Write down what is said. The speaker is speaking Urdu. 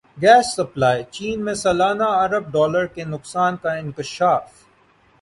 گیس سپلائی چین میں سالانہ ارب ڈالر کے نقصان کا انکشاف